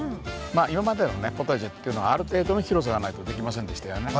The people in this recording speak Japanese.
まあ今までのポタジェっていうのはある程度の広さがないとできませんでしたよね。